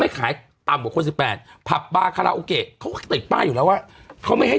อืมอืมอืมอืมอืมอืม